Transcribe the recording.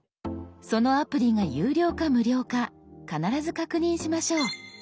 そのアプリが有料か無料か必ず確認しましょう。